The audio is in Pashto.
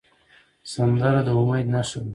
سندره د امید نښه ده